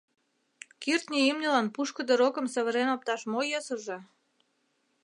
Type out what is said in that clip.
Кӱртньӧ имньылан пушкыдо рокым савырен опташ мо йӧсыжӧ.